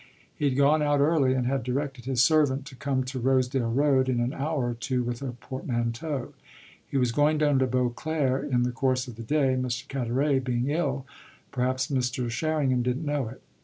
He had gone out early and had directed his servant to come to Rosedale Road in an hour or two with a portmanteau: he was going down to Beauclere in the course of the day, Mr. Carteret being ill perhaps Mr. Sherringham didn't know it.